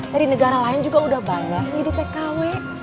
dari negara lain juga udah banyak jadi tkw